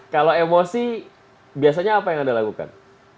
kalau emosi biasanya apa yang anda lakukan